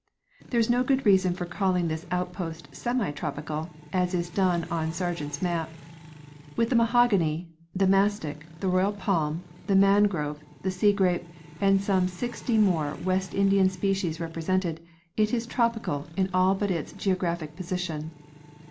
There is no good reason for calling this outpost sem tropical, as is done on Sargent's map. With the mahogany, the mastic, the royal palm, the mangrove, the sea grape and some sixty more West Indian species repre sented, it is tropical in all but it geographic position.